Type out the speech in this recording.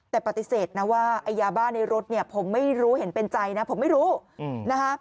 แต่ปฏิเสธนะว่าไอ้ยาบ้าในรถเนี่ยผมไม่รู้เห็นเป็นใจนะผมไม่รู้นะคะ